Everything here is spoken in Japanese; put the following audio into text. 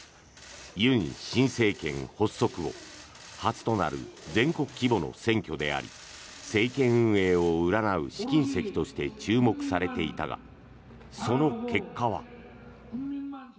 新政権発足後初となる全国規模の選挙であり政権運営を占う試金石として注目されていたがその結果は。